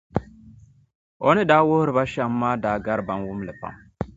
O ni daa wuhiri ba shɛm maa daa gari bɛnkam wum li pam.